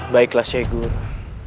baiklah syekh guru